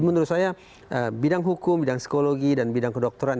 menurut saya bidang hukum bidang psikologi dan bidang kedokteran